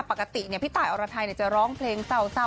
ปกติเนี่ยพี่ตายอรทัยเนี่ยจะร้องเพลงเศร้าเศร้าอ่ะ